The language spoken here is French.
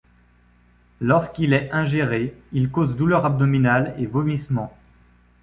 Lorsqu'il est ingéré, il cause douleurs abdominales et vomissements.